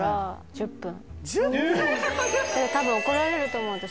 １０分⁉多分怒られると思う私。